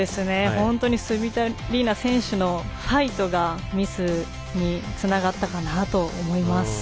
スビトリーナ選手のファイトがミスにつながったかなと思います。